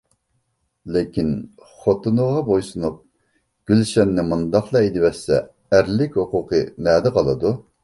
لېكىن خوتۇنىغا بويسۇنۇپ، گۈلشەننى مۇنداقلا ھەيدىۋەتسە ئەرلىك ھوقۇقى نەدە قالىدۇ؟